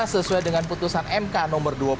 sesuai dengan putusan mk no dua puluh enam